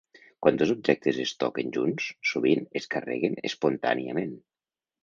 Quan dos objectes es toquen junts, sovint es carreguen espontàniament.